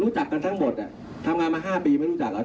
รู้จักกันทั้งหมดทำงานมา๕ปีไม่รู้จักแล้ว